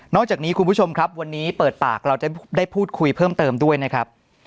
จากนี้คุณผู้ชมครับวันนี้เปิดปากเราจะได้พูดคุยเพิ่มเติมด้วยนะครับ